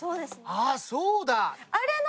あっそうだ！